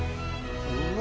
うわ！